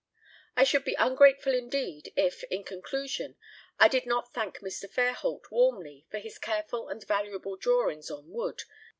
I should be ungrateful indeed if, in conclusion, I did not thank Mr. Fairholt warmly for his careful and valuable drawings on wood.